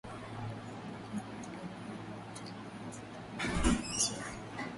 kumbuka unaendelea kuitegea sikio idhaa ya kiswahili